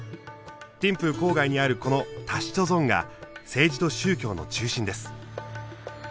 ティンプー郊外にあるこのタシチョ・ゾンが政治と宗教の中心です。